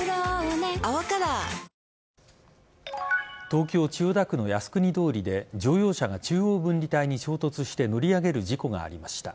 東京・千代田区の靖国通りで乗用車が中央分離帯に衝突して乗り上げる事故がありました。